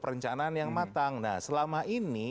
perencanaan yang matang nah selama ini